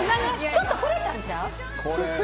ちょっと触れたんちゃう？